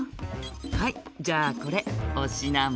「はいじゃあこれお品物」